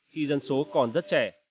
khi dân số còn rất trẻ